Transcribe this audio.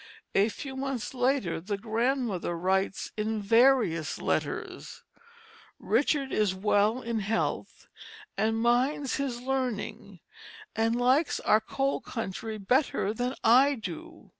A few months later the grandmother writes in various letters: "Richard is well in health, and minds his Learning and likes our Cold country better than I do....